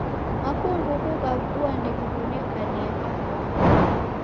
Makungughu gha vua ndeghiwonekie kafwani